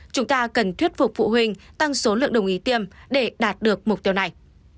chúng ta cần thuyết phục phụ huynh tăng số lượng đồng ý tiêm để đạt được mục tiêu này